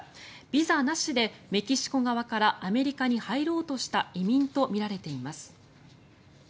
ビザなしでメキシコ側からアメリカに入ろうとした移民とみられています。